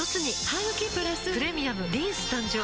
ハグキプラス「プレミアムリンス」誕生